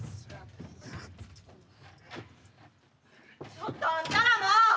ちょっとあんたらも！